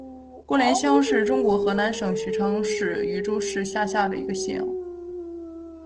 郭连乡是中国河南省许昌市禹州市下辖的一个乡。